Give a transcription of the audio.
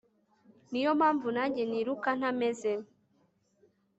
Ni yo mpamvu nanjye niruka ntameze